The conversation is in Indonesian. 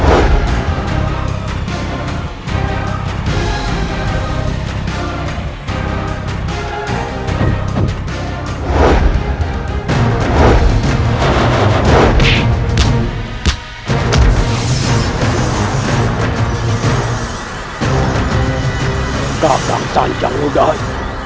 aqui tambah delapan hari